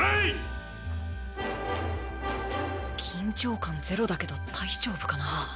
心の声緊張感ゼロだけど大丈夫かな。